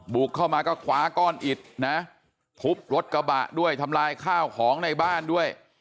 บุกเข้ามาก็คว้าก้อนอิดนะทุบรถกระบะด้วยทำลายข้าวของในบ้านด้วย